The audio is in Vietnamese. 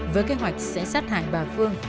với kế hoạch sẽ sát hại bà phương